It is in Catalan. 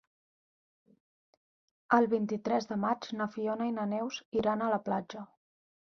El vint-i-tres de maig na Fiona i na Neus iran a la platja.